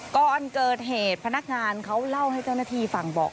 ก่อนเกิดเหตุพนักงานเขาเล่าให้เจ้าหน้าที่ฟังบอก